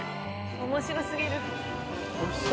面白すぎる。